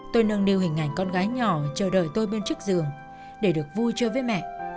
tôi nâng niu hình ảnh con gái nhỏ chờ đợi tôi bên trước giường để được vui chơi với mẹ